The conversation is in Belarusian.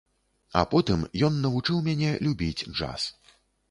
А потым ён навучыў мяне любіць джаз.